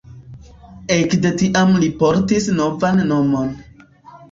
Ekde tiam li portis novan nomon.